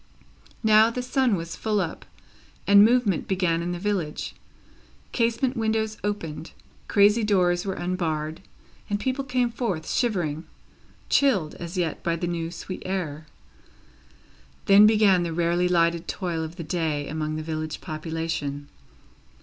Now, the sun was full up, and movement began in the village. Casement windows opened, crazy doors were unbarred, and people came forth shivering chilled, as yet, by the new sweet air. Then began the rarely lightened toil of the day among the village population.